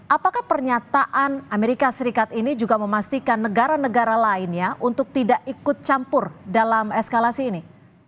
apakah pernyataan amerika serikat ini juga memastikan negara negara lainnya untuk tidak ikut campur dalam eskalasi ini